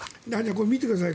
これ見てください。